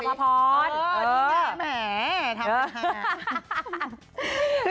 นี่แหงแหมทำเป็นไง